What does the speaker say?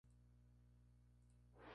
Actualmente se encuentra en ruina.